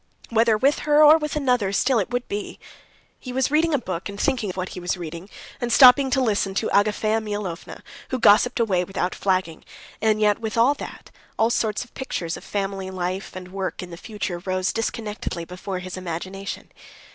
Whether with her, or with another, still it would be. He was reading a book, and thinking of what he was reading, and stopping to listen to Agafea Mihalovna, who gossiped away without flagging, and yet with all that, all sorts of pictures of family life and work in the future rose disconnectedly before his imagination.